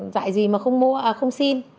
dạy gì mà không mua không xin